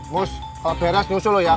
mus kalau beres nyusul lo ya